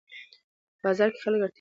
بازار کې خلک د اړتیا وړ توکي اخلي